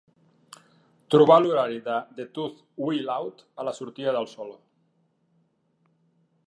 Trobar l'horari de "The Tooth Will Out" a la sortida del sol.